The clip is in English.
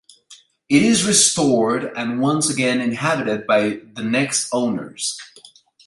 It is restored and once again inhabited by the next owners.